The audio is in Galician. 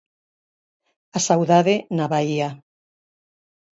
A saudade na baía.